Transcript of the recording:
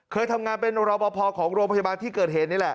เคยทำงานเป็นรอปภของโรงพยาบาลที่เกิดเหตุนี่แหละ